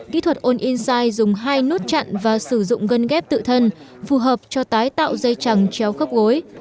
kỹ thuật all inside dùng hai nút chặn và sử dụng gân ghép tự thân phù hợp cho tái tạo dây chẳng chéo khớp gối